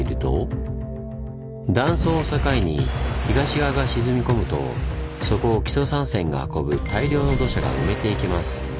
断層を境に東側が沈み込むとそこを木曽三川が運ぶ大量の土砂が埋めていきます。